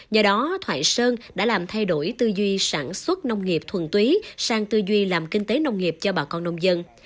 do đó thoại sơn đã làm thay đổi tư duy sản xuất nông nghiệp thuần túy sang tư duy làm kinh tế nông nghiệp cho bà con nông dân